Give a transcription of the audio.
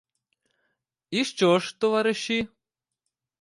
І що ж, товариші?